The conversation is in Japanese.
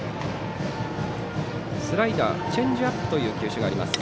スライダー、チェンジアップという球種があります。